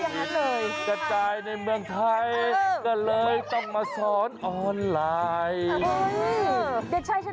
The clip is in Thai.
เด็กชายชนะเก่งมากเลยครูร้องรอบเดียวเธอร้องได้แล้วหรือจ้า